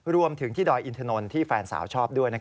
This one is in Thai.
รวมถึงที่ดอยอินทนนท์ที่แฟนสาวชอบด้วย